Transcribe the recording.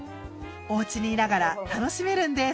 おうちにいながら楽しめるんです。